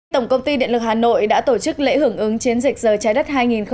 tổng công ty điện lực hà nội đã tổ chức lễ hưởng ứng chiến dịch giờ trái đất hai nghìn một mươi chín